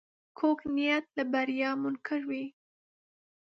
کوږ نیت له بریا منکر وي